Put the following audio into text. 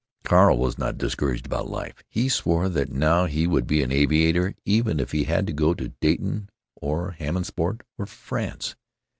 Carl was not discouraged about life. He swore that now he would be an aviator even if he had to go to Dayton or Hammondsport or France.